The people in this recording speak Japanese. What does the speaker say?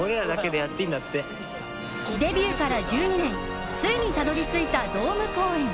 デビューから１２年ついにたどり着いたドーム公演。